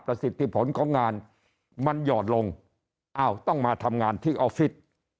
สิทธิผลของงานมันหยอดลงอ้าวต้องมาทำงานที่ออฟฟิศ